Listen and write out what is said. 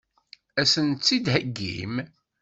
Ad sen-tt-id-theggim?